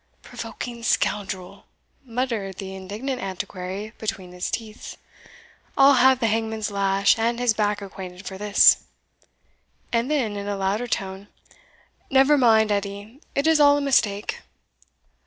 "Provoking scoundrel!" muttered the indignant Antiquary between his teeths "I'll have the hangman's lash and his back acquainted for this." And then, in a louder tone, "Never mind, Edie it is all a mistake."